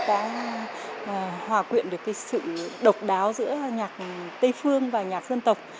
đã hòa quyện được cái sự độc đáo giữa nhạc tây phương và nhạc dân tộc